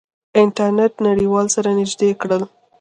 انټرنیټ نړیوال سره نزدې کړل.